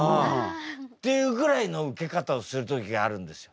っていうぐらいのウケ方をする時があるんですよ。